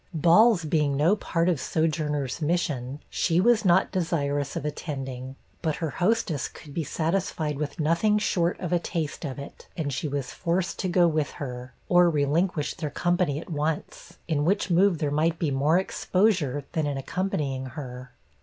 Balls being no part of Sojourner's mission, she was not desirous of attending; but her hostess could be satisfied with nothing short of a taste of it, and she was forced to go with her, or relinquish their company at once, in which move there might be more exposure than in accompanying her.